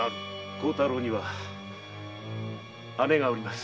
孝太郎には姉がおります。